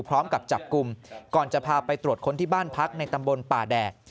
พร้อมกับจับกลุ่มก่อนจะพาไปตรวจค้นที่บ้านพักในตำบลป่าแดด